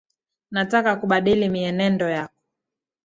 Nataka kubadili mienendo yako.